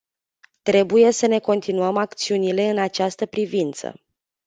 Trebuie să ne continuăm acțiunile în această privință.